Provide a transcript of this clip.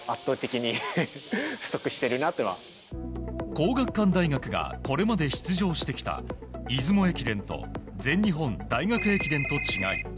皇學館大学がこれまで出場してきた出雲駅伝と全日本大学駅伝と違い